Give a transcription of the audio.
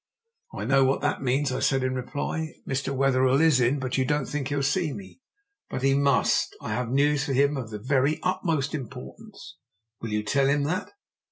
"I know what that means," I said in reply. "Mr. Wetherell is in, but you don't think he'll see me. But he must! I have news for him of the very utmost importance. Will you tell him that?"